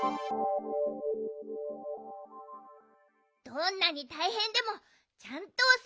どんなにたいへんでもちゃんとおせわしようね。